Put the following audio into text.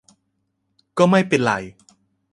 ก็ไม่เป็นไร